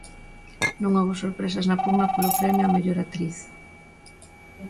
Non houbo sorpresas na pugna polo premio á mellor actriz.